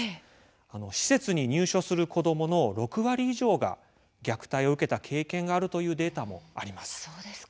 施設に入所する子どもの６割以上が虐待を受けた経験があるというデータもあります。